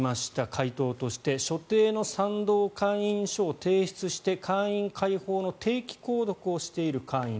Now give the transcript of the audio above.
回答として所定の賛同会員書を提出して会員会報の定期購読をしている会員。